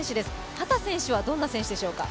秦選手はどんな選手でしょうか？